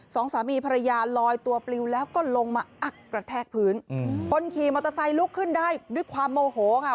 สองสามีภรรยาลอยตัวปลิวแล้วก็ลงมาอักกระแทกพื้นอืมคนขี่มอเตอร์ไซค์ลุกขึ้นได้ด้วยความโมโหค่ะ